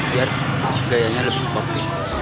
biar gayanya lebih sporty